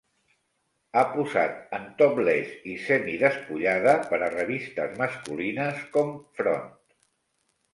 Ha posat en topless i semi-despullada per a revistes masculines com "Front".